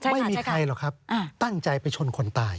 ไม่มีใครหรอกครับตั้งใจไปชนคนตาย